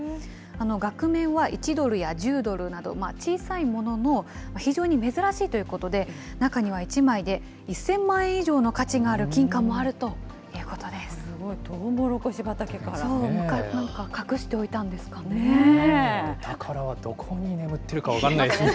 額面は１ドルや１０ドルなど、小さいものの、非常に珍しいということで、中には１枚で１０００万円以上の価値がある金貨もあるということすごい、そう、なんか、隠してたんでお宝はどこに眠ってるか分からないですね。